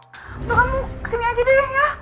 tolong kesini aja deh ya